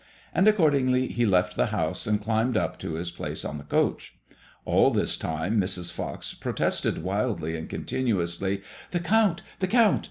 '* And, accordingly, he left the house and climbed up to his place on the coach. All this time Mrs. Fox protested wildly and continuously : "The Count! the Count!